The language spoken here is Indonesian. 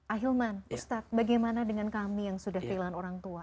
ahilman ustadz bagaimana dengan kami yang sudah kehilangan orang tua